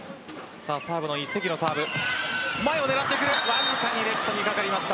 わずかにネットにかかりました。